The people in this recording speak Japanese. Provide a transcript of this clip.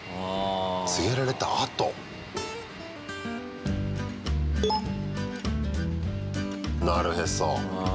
告げられた後？なるへそ。